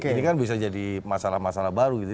ini kan bisa jadi masalah masalah baru